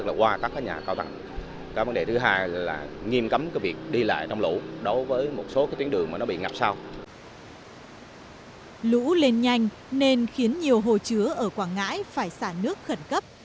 lũ lên nhanh nên khiến nhiều hồ chứa ở quảng ngãi phải xả nước khẩn cấp